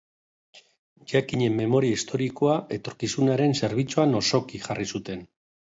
Jakin-en memoria historikoa etorkizunaren zerbitzuan osoki jarri zuten.